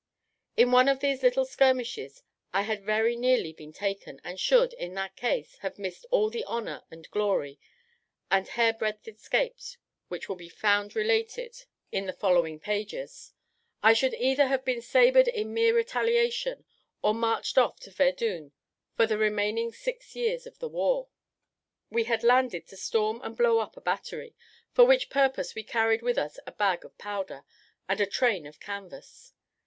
In one of these little skirmishes I had very nearly been taken, and should, in that case, have missed all the honour, and glory, and hairbreadth escapes which will be found related in the following pages. I should either have been sabred in mere retaliation, or marched off to Verdun for the remaining six years of the war. We had landed to storm and blow up a battery, for which purpose we carried with us a bag of powder, and a train of canvas.